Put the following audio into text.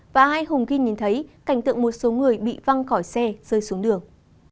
và hai hùng kinh nhìn thấy cảnh tượng một số người bị văng khỏi xe rơi xuống đường